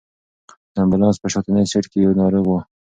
د امبولانس په شاتني سېټ کې یو ناروغ و.